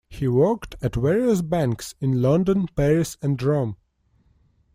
He worked at various banks in London, Paris, and Rome.